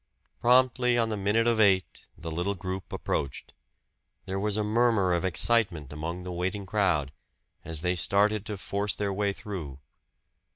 Promptly on the minute of eight the little group approached. There was a murmur of excitement among the waiting crowd, as they started to force their way through.